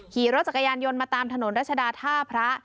ขี่รถจักรยานยนต์มาตามถนนรัชดาท่าพระ